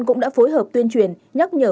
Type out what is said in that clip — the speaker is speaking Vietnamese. cũng đã phối hợp tuyên truyền nhắc nhở